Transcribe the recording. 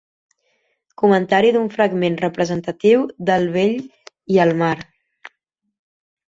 Comentari d'un fragment representatiu de El vell i el mar.